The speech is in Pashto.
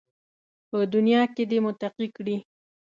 په دنیا کې دې متقي کړي